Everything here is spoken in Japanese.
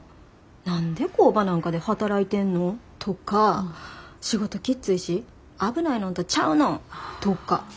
「何で工場なんかで働いてんの？」とか「仕事きっついし危ないのんとちゃうの」とか。